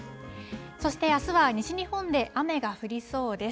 そして、あすは西日本で雨が降りそうです。